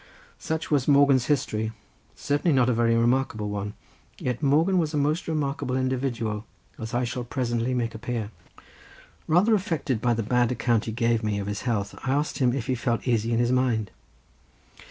Such was Morgan's history; certainly not a very remarkable one. Yet Morgan was a most remarkable individual, as I shall presently make appear. Rather affected at the bad account he gave me of his health, I asked him if he felt easy in his mind.